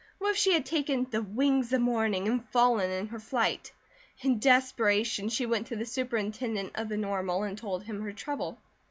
What if she had taken "the wings of morning," and fallen in her flight? In desperation she went to the Superintendent of the Normal and told him her trouble.